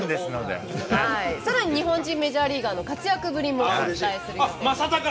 さらに日本人メジャーリーガーの活躍ぶりもお伝えします。